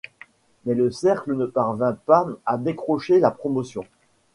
Mais le cercle ne parvint pas à décrocher la promotion.